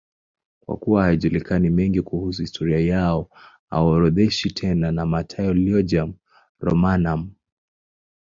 Kwa kuwa hayajulikani mengine kuhusu historia yao, hawaorodheshwi tena na Martyrologium Romanum.